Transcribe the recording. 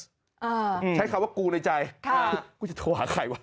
อ่าใช้คำว่ากูในใจค่ะกูจะโทรหาใครวะ